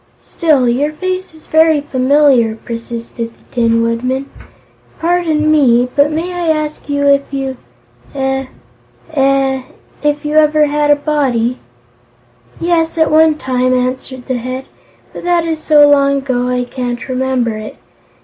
"Still, your face is very familiar," persisted the Tin Woodman. "Pardon me, but may I ask if you eh eh if you ever had a Body?" "Yes, at one time," answered the Head, "but that is so long ago I can't remember it.